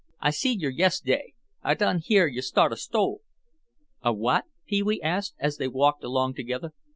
"I seed yer yes'day. I done hear yer start a sto." "A what?" Pee wee asked, as they walked along together.